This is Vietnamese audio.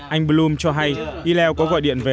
anh bloom cho hay y lèo có gọi điện về